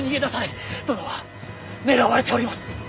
殿は狙われております！